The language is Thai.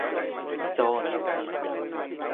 โจนส์